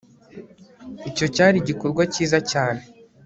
icyo cyari igikorwa cyiza cyane